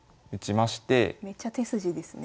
めっちゃ手筋ですね。